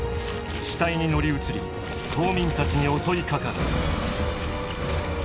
死体に乗り移り島民たちに襲いかかる。